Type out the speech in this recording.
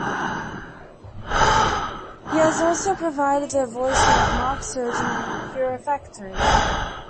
He has also provided the voice of Mark Surge in "Hero Factory".